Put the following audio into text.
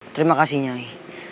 terima kasih nyai